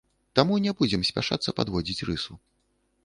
Таму не будзем спяшацца падводзіць рысу.